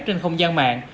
trên không gian mạng